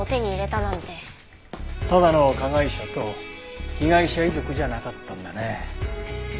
ただの加害者と被害者遺族じゃなかったんだね。